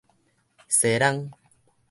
疏櫳